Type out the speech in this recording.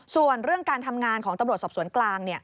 ส่วนเรื่องการทำงานของตำรวจสอบสวนกลาง